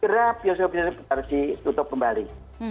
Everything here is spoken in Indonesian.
kira kira bioshock ini harus ditutup kembali